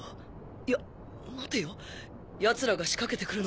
いや待てよ奴らが仕掛けてくるのは